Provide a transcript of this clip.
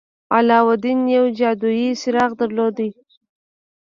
علاوالدين يو جادويي څراغ درلود.